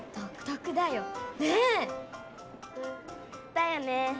だよね！